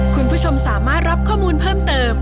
คุณผู้ชมสามารถรับข้อมูลเพิ่มเติม